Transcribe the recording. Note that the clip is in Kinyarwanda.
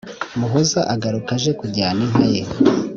muhoza agaruka aje kujyana inka ye